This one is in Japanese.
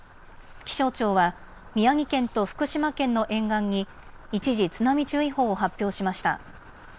気象庁は宮城県と福島県の沿岸に一時、津波注意報を発表しました。